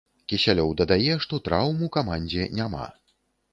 Кісялёў дадае, што траўм у камандзе няма.